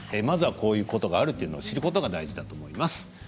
こういうことがあると知ることが大事だと思います。